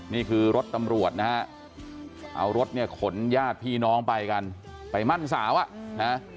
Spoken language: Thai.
นี่คือรถตำรวจนะฮะเอารถเนี่ยขนญาติพี่น้องไปกันไปมั่นสาวอ่ะนะ